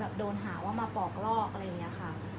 อันไหนที่มันไม่จริงแล้วอาจารย์อยากพูด